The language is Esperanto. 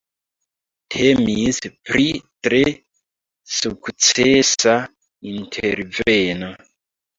Temis pri tre sukcesa interveno.